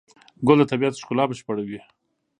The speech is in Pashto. ګل د طبیعت ښکلا بشپړوي.